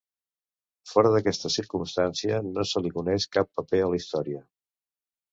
Fora d'aquesta circumstància no se li coneix cap paper a la història.